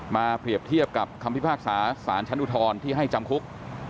เปรียบเทียบกับคำพิพากษาสารชั้นอุทธรณ์ที่ให้จำคุก